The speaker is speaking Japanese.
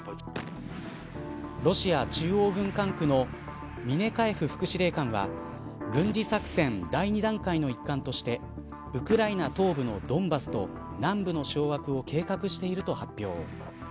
ロシア中央軍管区のミネカエフ副司令官は軍事作戦第２段階の一環としてウクライナ東部のドンバスと南部の掌握を計画していると発表。